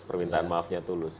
permintaan maafnya tulus